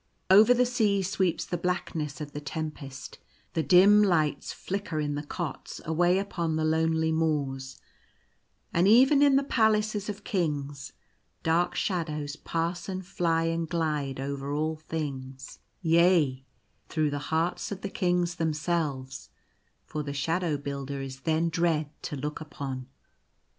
Over the sea sweeps the blackness of the tempest ; the dim lights flicker in the cots away upon the lonely moors ; and even in the palaces of kings dark shadows pass and fly and glide over all things — yea, through the hearts of the kings themselves — for the Shadow Builder is then dread to look upon.